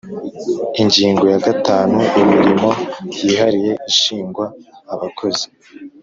Ingingo ya gatanu Imirimo yihariye ishingwa abakozi